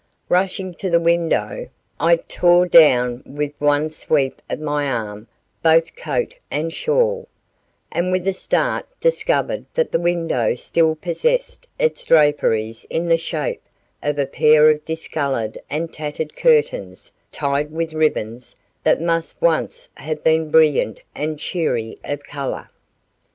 Rushing to the window, I tore down with one sweep of my arm both coat and shawl, and with a start discovered that the window still possessed its draperies in the shape of a pair of discolored and tattered curtains tied with ribbons that must once have been brilliant and cheery of color.